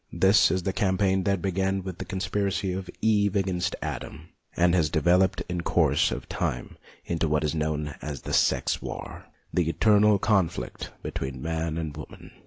This is the campaign that began with the conspiracy of Eve against Adam, and has developed in course of time into what is known as the sex war, the eternal conflict between man and woman.